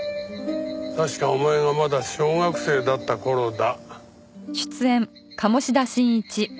確かお前がまだ小学生だった頃だ。